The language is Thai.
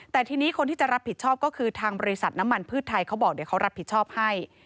แต่ทีนี้คนที่จะรับผิดชอบก็คือทางบริษัทน้ำมันพืชไทยเขาบอกเดี๋ยวเขารับผิดชอบให้